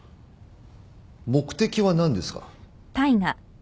目的は何ですか？